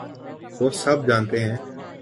وہ سب جانتے ہیں۔